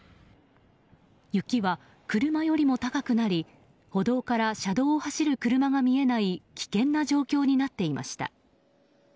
雪は車よりも高くなり歩道から車道を走る車が見えない危険な状況になっていました。